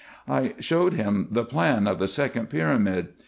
I showed him the plan of the second pyramid.